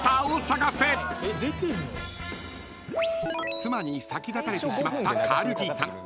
［妻に先立たれてしまったカールじいさん］